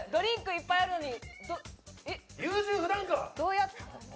いっぱいあるのに。